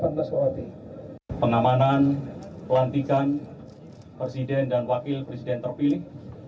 pertama kita harus menjaga keamanan pelantikan presiden dan wakil presiden terpilih